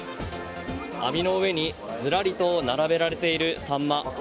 網の上にずらりと並べられているサンマ。